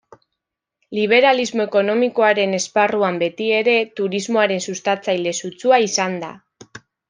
Liberalismo ekonomikoaren esparruan beti ere, turismoaren sustatzaile sutsua izan da.